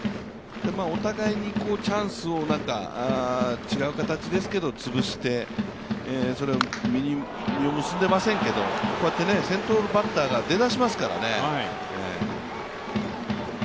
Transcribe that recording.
お互いにチャンスを、違う形ですけど、つぶして、それが実を結んでいませんけど、こうやって先頭バッターが出だしますからね。